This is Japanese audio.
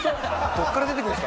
どこから出てくるんですかね？